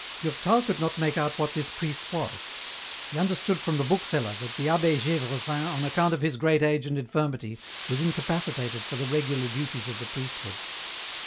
Durtal could not make out what this priest was. He understood from the bookseller, that the Ahh6 Gdvresin on account of his great age and infirmity was incapacitated for the regular duties of the priesthood.